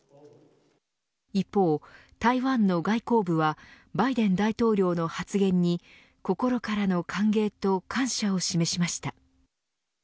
一方、台湾の外交部はバイデン大統領の発言に心からの歓迎と感謝を示しました。